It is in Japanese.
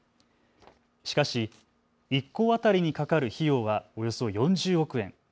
しかし１校当たりにかかる費用はおよそ４０億円。